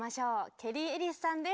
ケリー・エリスさんです。